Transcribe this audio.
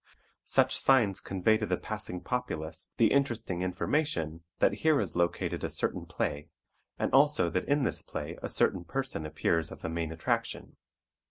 Such signs convey to the passing populace the interesting information that here is located a certain play, and also that in this play a certain person appears as a main attraction.